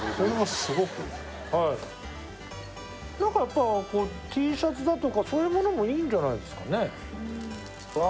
はい何かやっぱＴシャツだとかそういう物もいいんじゃないですかね